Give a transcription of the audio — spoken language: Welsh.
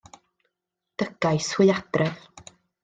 Dygais hwy adref.